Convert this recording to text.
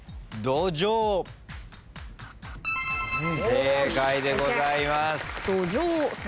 正解でございます。